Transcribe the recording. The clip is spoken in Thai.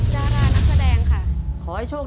ดารานักแสดงค่ะ